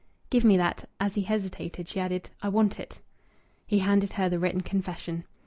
"Give me that." As he hesitated, she added, "I want it." He handed her the written confession.